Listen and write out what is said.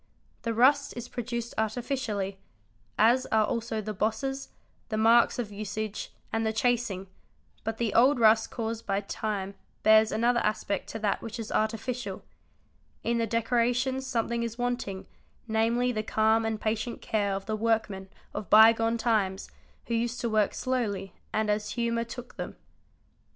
The rust is produced artificially, as are also the bosses, the marks of usage, and the chasing, but the old rust caused by time bears another aspect to that which is artificial ; in the decorations something is wanting, namely the calm and patient care of the workmen of bygone times who used to work slowly and as humour took them.